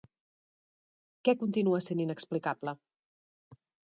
Què continua sent inexplicable?